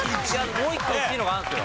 もう一個１位のがあるんですよ。